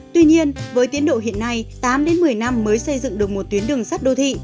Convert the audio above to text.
tuy nhiên với tiến độ hiện nay tám đến một mươi năm mới xây dựng được một tuyến đường sắt đô thị